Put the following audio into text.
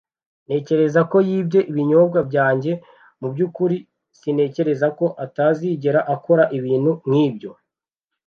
Ntekereza ko yibye ibinyobwa byanjye." "Mu byukuri? Sintekereza ko atazigera akora ibintu nk'ibyo."